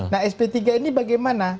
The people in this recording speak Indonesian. nah sp tiga ini bagaimana